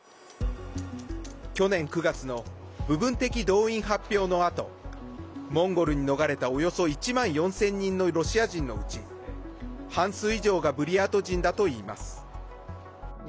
去年９月の部分的動員発表のあとモンゴルに逃れたおよそ１万４０００人のロシア人のうち半数以上がブリヤート人だといいます。